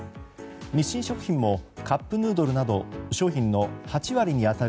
日清食品もカップヌードルなど商品の８割に当たる